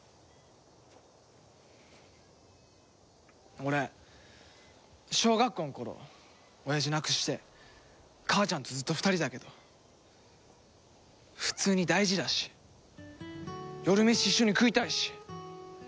俺小学校の頃親父亡くして母ちゃんとずっと２人だけど普通に大事だし夜メシ一緒に食いたいし。